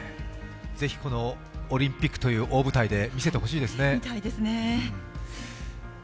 是非、オリンピックという大舞台で見せてほしいですね。